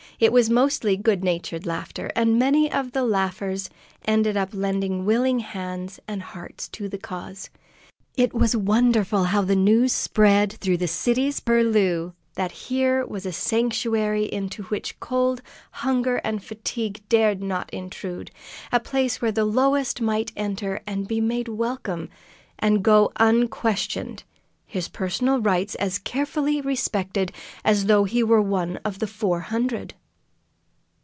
It was mostly goodnatured laughter, and many of the laughers ended by lending willing hands and hearts to the cause. It was wonderful how the news spread through the city's purlieus that here was a sanctuary into which cold, hunger, and fatigue dared not intrude; a place which the lowest might enter and be made welcome, and go unquestioned, his personal rights as carefully respected as though he were one of the Four Hundred.